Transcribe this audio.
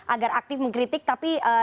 agar aktif mengkritik tapi